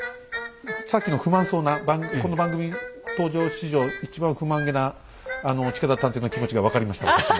さっきの不満そうなこの番組登場史上一番不満げな近田探偵の気持ちが分かりました私も。